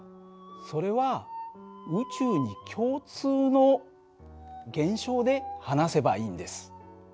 それは宇宙に共通の現象で話せばいいんです。